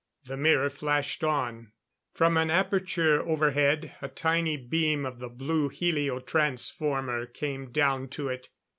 The mirror flashed on. From an aperture overhead, a tiny beam of the blue helio transformer came down to it.